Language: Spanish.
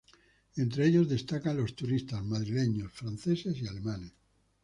Entre ellos, destacan los turistas madrileños, franceses y alemanes.